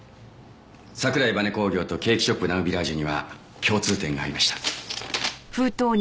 桜井バネ工業とケーキショップ・ナウビラージュには共通点がありました。